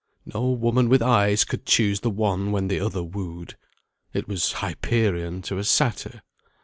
No woman with eyes could choose the one when the other wooed. It was Hyperion to a Satyr.